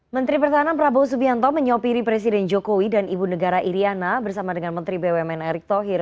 menteri pertahanan prabowo subianto menyopiri presiden jokowi dan ibu negara iryana bersama dengan menteri bumn erick thohir